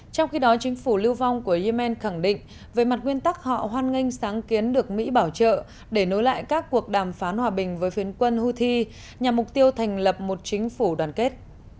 trong khi đó chính phủ lưu vong của yemen khẳng định về mặt nguyên tắc họ hoan nghênh sáng kiến được mỹ bảo trợ để nối lại các cuộc đàm phán hòa bình với phiến quân houthi nhằm mục tiêu thành lập một chính phủ đoàn kết